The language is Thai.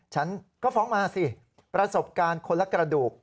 ฉันก็ฟ้องมาสิประสบการณ์คนละกระดูก